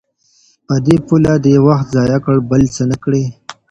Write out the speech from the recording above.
په دې پله دي وخت ضایع کړ بل څه نه کړې